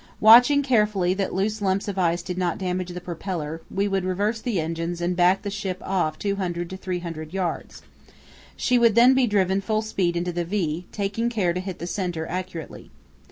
Watching carefully that loose lumps of ice did not damage the propeller, we would reverse the engines and back the ship off 200 to 300 yds. She would then be driven full speed into the V, taking care to hit the centre accurately.